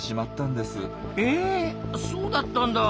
えそうだったんだ！